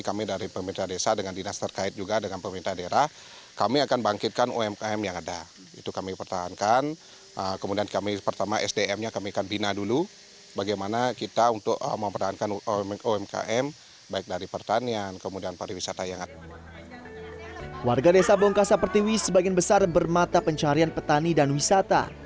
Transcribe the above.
warga desa bongka seperti ini sebagian besar bermata pencarian petani dan wisata